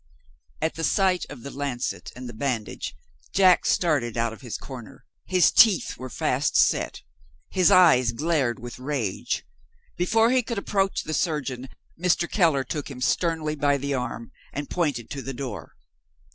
At the sight of the lancet and the bandage, Jack started out of his corner. His teeth were fast set; his eyes glared with rage. Before he could approach the surgeon Mr. Keller took him sternly by the arm and pointed to the door.